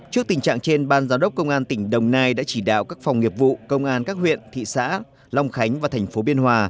trước tình trạng trên ban giám đốc công an tỉnh đồng nai đã chỉ đạo các phòng nghiệp vụ công an các huyện thị xã long khánh và thành phố biên hòa